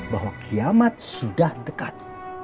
bahwa kiamat sudah dekat